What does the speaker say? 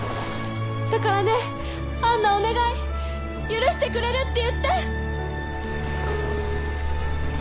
だからねぇ杏奈お願い許してくれるって言って！